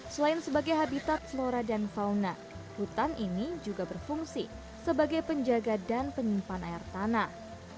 selain sebagai habitat flora dan fauna hutan ini juga berfungsi sebagai penjaga dan penyimpan air tanah